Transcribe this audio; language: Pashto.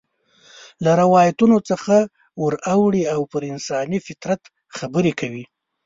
له روایتونو څخه ور اوړي او پر انساني فطرت خبرې کوي.